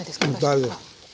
大丈夫。